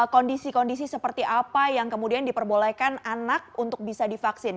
kondisi kondisi seperti apa yang kemudian diperbolehkan anak untuk bisa divaksin